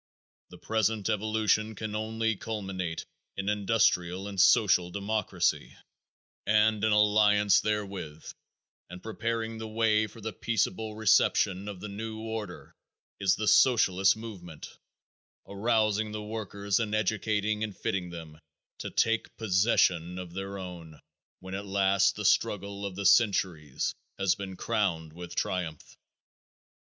The present evolution can only culminate in industrial and social democracy, and in alliance therewith and preparing the way for the peaceable reception of the new order, is the Socialist movement, arousing the workers and educating and fitting them to take possession of their own when at last the struggle of the centuries has been crowned with triumph.